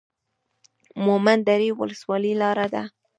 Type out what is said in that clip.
مومند درې ولسوالۍ لاره ده؟